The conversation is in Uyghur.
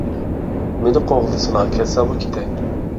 مېنى قوغلىسىلا، كەتسەممۇ كېتەي.